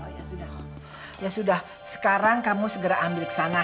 oh ya sudah ya sudah sekarang kamu segera ambil ke sana